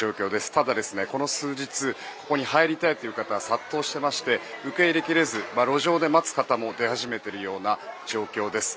ただ、この数日ここに入りたいという方が殺到していまして受け入れ切れず路上で待つ方も出始めているような状況です。